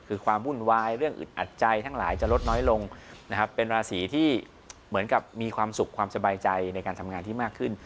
คือความวุ่นวายเรื่องอึดอัดใจทั้งหลายจะลดน้อยลงนะครับเป็นราศีที่เหมือนกับมีความสุขความสบายใจในการทำงานที่มากขึ้น